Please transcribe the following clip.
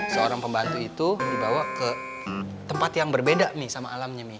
seorang pembantu itu dibawa ke tempat yang berbeda nih sama alamnya